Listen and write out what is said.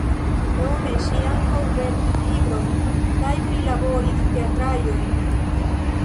Krome ŝi ankaŭ verkis librojn kaj prilaboris teatraĵojn.